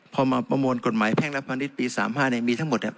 พอมาประมวลกฎหมายแพ่งรับภัณฑ์ฤทธิปีสามห้าเนี่ยมีทั้งหมดเนี่ย